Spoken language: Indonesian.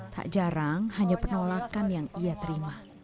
tak jarang hanya penolakan yang ia terima